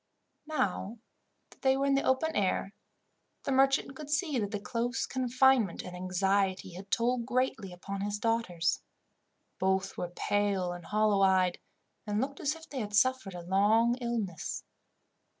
Now that they were in the open air, the merchant could see that the close confinement and anxiety had told greatly upon his daughters. Both were pale and hollow eyed, and looked as if they had suffered a long illness.